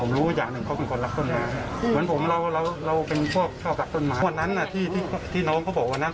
รู้สึกมันจะวิ่งไปเข้าไปอ่าวโยนอะไรสักอย่าง